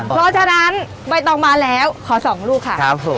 เพราะฉะนั้นใบต่อมาแล้วขอ๒ลูกค่ะ